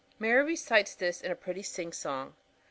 Mary recites this in a pretty singsong.